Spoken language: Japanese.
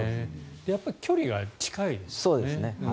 やっぱり距離が近いですね。